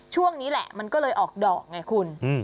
ช่วงนี้แหละมันก็เลยออกดอกไงคุณ